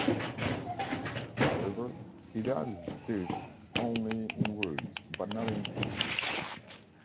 However, it does this only in words, but not in practice.